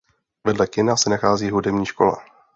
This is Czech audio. Vedle kina se nachází hudební škola.